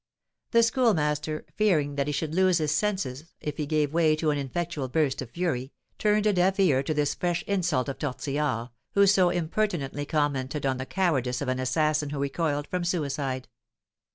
The Schoolmaster, fearing that he should lose his senses if he gave way to an ineffectual burst of fury, turned a deaf ear to this fresh insult of Tortillard, who so impertinently commented on the cowardice of an assassin who recoiled from suicide.